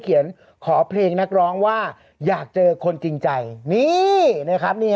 เขียนขอเพลงนักร้องว่าอยากเจอคนจริงใจนี่นะครับ